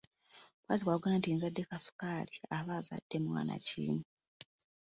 Omukazi bw’akugamba nti nzadde kasukaali aba azadde mwana ki?